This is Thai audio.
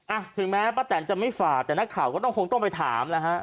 อ่ะถึงแม้ป้าแตนจะไม่ฝาดแต่นักข่าวก็ต้องคงต้องไปถามนะฮะ